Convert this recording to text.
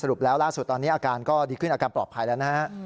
แล้วล่าสุดตอนนี้อาการก็ดีขึ้นอาการปลอดภัยแล้วนะฮะ